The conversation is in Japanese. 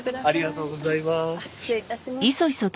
ありがとうございます。